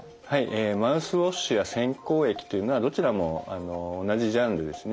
えマウスウォッシュや洗口液というのはどちらも同じジャンルですね。